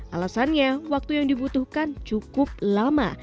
alasannya waktu yang dibutuhkan cukup lama